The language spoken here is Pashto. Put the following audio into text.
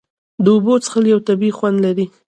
د اوبو څښل یو طبیعي خوند لري.